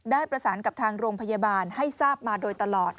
ได้ประสานกับทางโรงพยาบาลให้ทราบมาโดยตลอด